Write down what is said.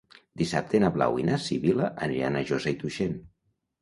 Dissabte na Blau i na Sibil·la aniran a Josa i Tuixén.